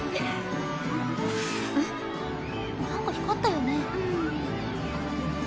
何か光ったよね？